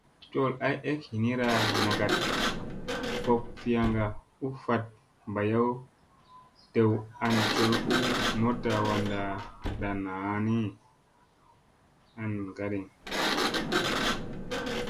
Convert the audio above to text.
Col ay ek ɦinira nagat vok fianga u fat mbayaw dew an col u motta wadan nda ni.